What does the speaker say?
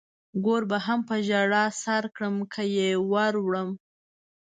ګور به هم په ژړا سر کړم که يې ور وړم.